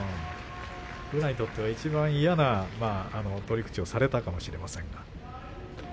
宇良にとってはいちばん嫌な取り口をされたかもしれません。